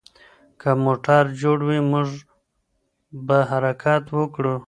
که موټر جوړ وي، موږ به حرکت وکړو.